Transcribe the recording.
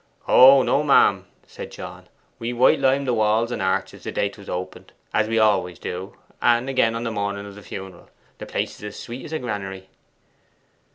'Oh no, ma'am,' said John. 'We white limed the walls and arches the day 'twas opened, as we always do, and again on the morning of the funeral; the place is as sweet as a granary.